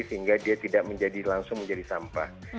sehingga dia tidak langsung menjadi sampah